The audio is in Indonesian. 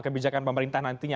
kebijakan pemerintah nantinya